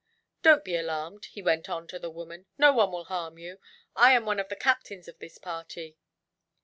"Don't be alarmed," he went on, to the woman, "no one will harm you. I am one of the captains of this party."